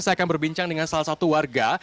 saya akan berbincang dengan salah satu warga